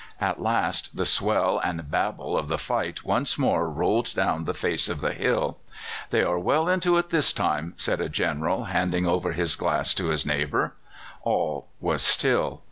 At last the swell and babble of the fight once more rolled down the face of the hill. 'They are well into it this time,' said a General, handing over his glass to his neighbour. All was still.